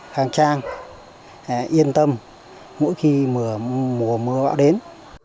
khang trang yên tâm mỗi khi mùa mưa bão đến